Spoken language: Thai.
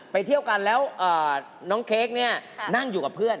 เที่ยวกันแล้วน้องเค้กเนี่ยนั่งอยู่กับเพื่อน